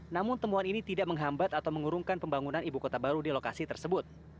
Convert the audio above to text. namun temuan ini tidak menghambat atau mengurungkan pembangunan ibu kota baru di lokasi tersebut